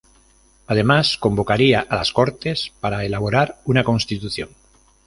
Además convocaría a las Cortes para elaborar una Constitución.